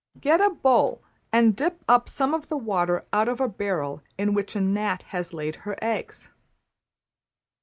Get a bowl and dip up some of the water out of a barrel in which a gnat has laid her eggs.